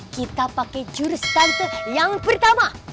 kita pakai jurus tante yang pertama